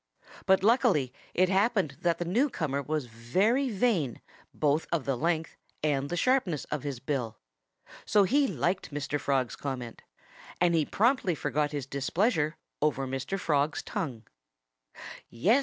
But luckily it happened that the newcomer was very vain both of the length and the sharpness of his bill. So he liked Mr. Frog's comment. And he promptly forgot his displeasure over Mr. Frog's tongue. "Yes!"